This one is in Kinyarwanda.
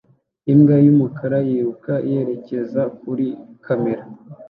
Imbwa y'umukara yiruka yerekeza kuri kamera